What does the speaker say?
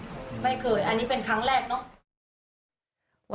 ไม่เคยอันนี้เป็นครั้งแรกเนอะ